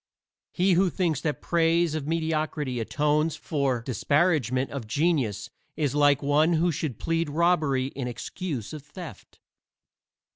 He who thinks that praise of mediocrity atones for disparagement of genius is like one who should plead robbery in excuse of theft.